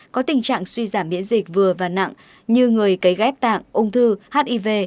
có tình trạng suy giảm miễn dịch vừa và nặng như người cấy ghép tạng ung thư hiv